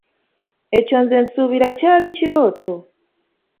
Ekyo nze suubira kyali kirooto.